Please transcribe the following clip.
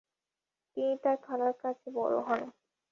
তিনি তার খালার কাছে বড় হন।